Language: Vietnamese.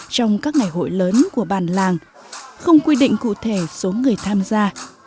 trong các ngày hội lớn của bàn làng không quy định cụ thể số người tham gia